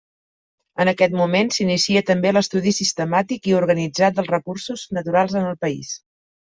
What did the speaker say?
En aquest moment s'inicia també l'estudi sistemàtic i organitzat dels recursos naturals en el país.